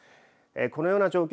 このような状況